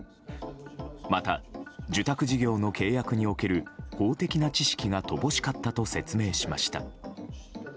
また、受託事業の契約における法的な知識が乏しかったと説明しました。